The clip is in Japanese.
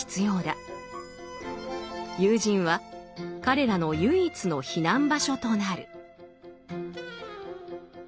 友人は彼らの唯一の避難場所となる。